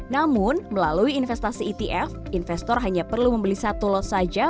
namun melalui investasi etf investor hanya perlu membeli satu los saja